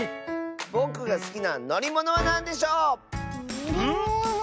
ぼくがすきなのりものはなんでしょう⁉のりもの？